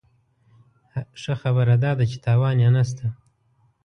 ښه خبره داده چې تاوان یې نه شته.